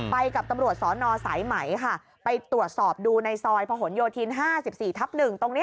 ไปกับตำรวจสนสายไหมค่ะไปตรวจสอบดูในซอยพะหนโยธิน๕๔ทับ๑ตรงนี้